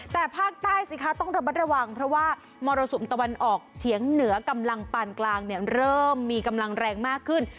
แต่ภาคใต้สิคะต้องระมัดระวังเพราะว่ามรสุมตะวันออกเฉียงเหนือกำลังปานกลางเนี่ยเริ่มมีกำลังแรงมากขึ้น